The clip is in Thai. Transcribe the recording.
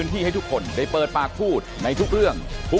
ถูกต้องค่ะ